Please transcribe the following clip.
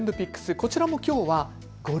こちらもきょうは５類。